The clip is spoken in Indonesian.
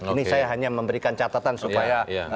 ini saya hanya memberikan catatan supaya